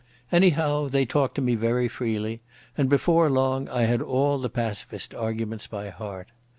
Anyhow they talked to me very freely, and before long I had all the pacifist arguments by heart.